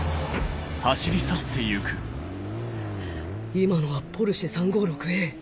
今のはポルシェ ３５６Ａ